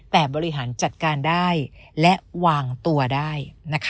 แต่บริหารจัดการได้และวางตัวได้